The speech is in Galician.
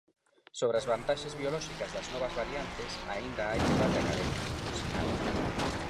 Sobre as vantaxes biolóxicas das novas variantes "aínda hai debate académico", sinala.